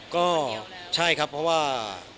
ก็ใช่ครับเพราะว่า